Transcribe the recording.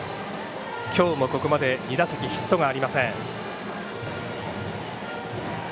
今日、ここまで２打席ヒットがありません。